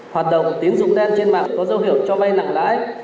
hoạt động tín dụng đen trên mạng có dấu hiệu cho vay nặng lãi